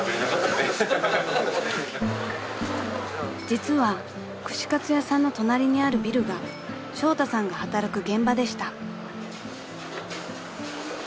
［実は串カツ屋さんの隣にあるビルがショウタさんが働く現場でした］